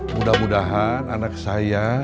mudah mudahan anak saya bisa sembuh